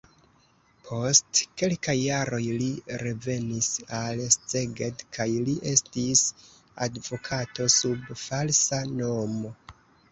Post kelkaj jaroj li revenis al Szeged kaj li estis advokato sub falsa nomo.